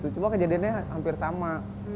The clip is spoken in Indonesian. cuma kejadiannya hampir sama